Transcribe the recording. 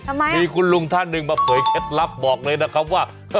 ทำไมมีคุณลุงท่านหนึ่งมาเผยเคล็ดลับบอกเลยนะครับว่า